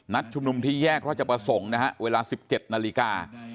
นัดชุมนุมที่แยกเขาจะประสงค์นะครับเวลา๑๗นาฬิกา